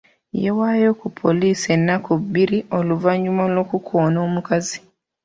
Yeewaayo ku poliisi ennaku bbiri oluvannyuma lw'okukoona omukazi.